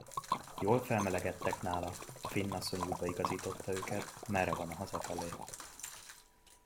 Jól felmelegedtek nála, a finn asszony útba igazította őket, merre van hazafelé.